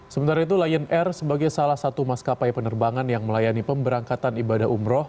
sementara itu lion air sebagai salah satu maskapai penerbangan yang melayani pemberangkatan ibadah umroh